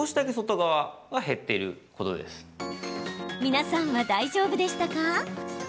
皆さんは大丈夫でしたか？